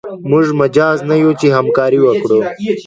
موږ مجاز نه یو چې همکاري وکړو.